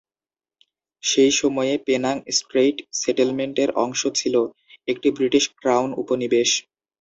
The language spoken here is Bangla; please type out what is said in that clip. সেই সময়ে, পেনাং স্ট্রেইট সেটেলমেন্টের অংশ ছিল, একটি ব্রিটিশ ক্রাউন উপনিবেশ।